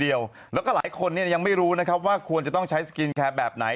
แล้วก็หลายคนเนี่ยยังไม่รู้นะครับว่าควรจะต้องใช้สกินแคร์แบบไหน